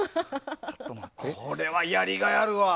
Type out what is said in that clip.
これはやりがいあるわ。